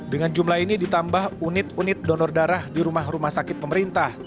dengan jumlah ini ditambah unit unit donor darah di rumah rumah sakit pemerintah